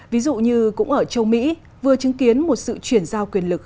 ví dụ như cũng ở châu mỹ vừa chứng kiến một sự chuyển giao quyền lực